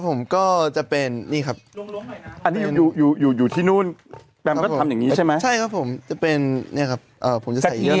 พี่เป็นคนที่ตำอะไรไว้